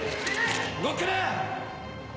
・・動くな！